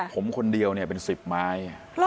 ผมคนเดียวเนี่ยเป็น๑๐ไม้